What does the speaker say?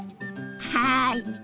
はい！